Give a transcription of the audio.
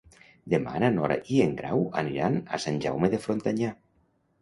Demà na Nora i en Grau aniran a Sant Jaume de Frontanyà.